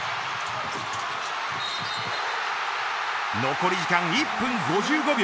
残り時間１分５５秒。